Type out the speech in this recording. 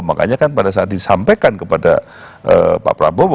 makanya kan pada saat disampaikan kepada pak prabowo